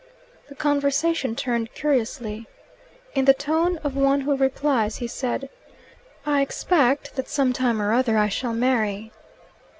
The conversation turned curiously. In the tone of one who replies, he said, "I expect that some time or other I shall marry."